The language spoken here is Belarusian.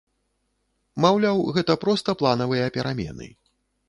Маўляў, гэта проста планавыя перамены.